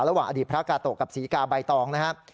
อดีตพระกาโตะกับศรีกาใบตองนะครับ